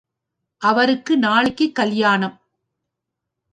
அவருக்கு நாளைக்குக் கல்யாணம்.